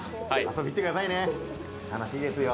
遊びに来てくださいね、楽しいですよ。